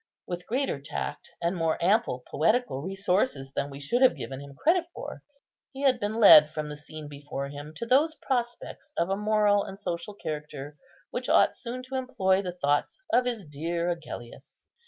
With greater tact, and more ample poetical resources than we should have given him credit for, he had been led from the scene before him to those prospects of a moral and social character which ought soon to employ the thoughts of his dear Agellius.